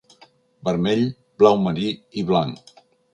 Vermell, blau marí, i blanc.